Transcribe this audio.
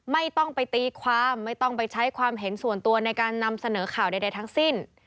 ไม่ต้องไปตีความไม่ต้องไปใช้ความเห็นส่วนตัวในการนำเสนอข่าวใดทั้งสิ้น